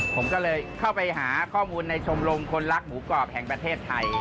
ผมก็เลยเข้าไปหาข้อมูลในชมรมคนรักหมูกรอบแห่งประเทศไทย